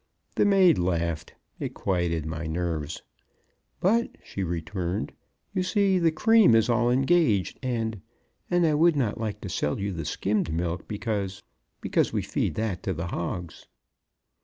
The maid laughed. It quieted my nerves. "But," she returned, "you see, the cream is all engaged, and and I would not like to sell you the skimmed milk, because because we feed that to the hogs."